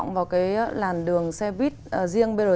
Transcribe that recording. nói chung là cô cũng chưa đi buýt năng bao giờ